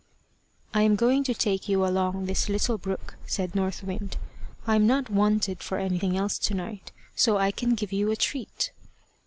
"I am going to take you along this little brook," said North Wind. "I am not wanted for anything else to night, so I can give you a treat."